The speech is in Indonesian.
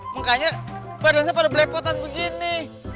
makanya badan saya pada belepotan begini